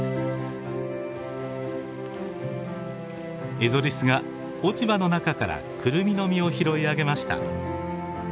エゾリスが落ち葉の中からクルミの実を拾い上げました。